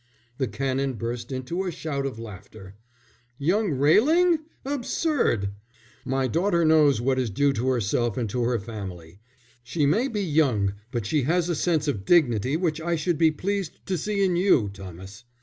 The Canon burst into a shout of laughter. "Young Railing? Absurd! My daughter knows what is due to herself and to her family. She may be young, but she has a sense of dignity which I should be pleased to see in you, Thomas.